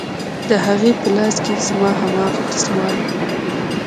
د هغې په لاس کښې زما هماغه دسمال و.